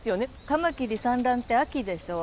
カマキリ産卵って秋でしょ？